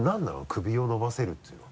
「首を伸ばせる」っていうのは。